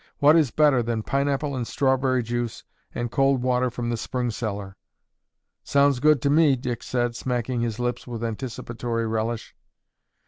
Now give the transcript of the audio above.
"What is better than pineapple and strawberry juice and cold water from the spring cellar?" "Sounds good to me," Dick said, smacking his lips with anticipatory relish.